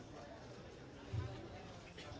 dara media di ini ya